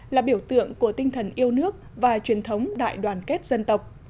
là biểu tượng của tinh thần yêu nước và truyền thống đại đoàn kết dân tộc